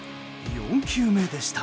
４球目でした。